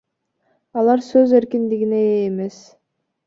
Алар сөз эркиндигине ээ эмес.